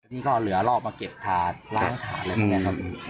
นี่ก็เหลือรอบมาเก็บถาดล้างถาดอะไรพวกนี้ครับ